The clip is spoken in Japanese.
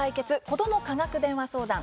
子ども科学電話相談」。